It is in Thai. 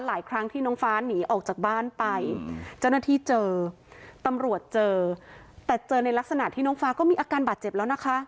หลายครั้งที่น้องฟ้าหนีออกจากบ้านไปเจ้าหน้าที่เจอตำรวจเจอแต่เจอในลักษณะที่น้องฟ้าก็มีอาการบาดเจ็บแล้วนะคะ